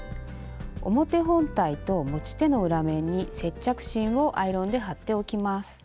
表本体と持ち手の裏面に接着芯をアイロンで貼っておきます。